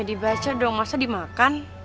dibaca dong masa dimakan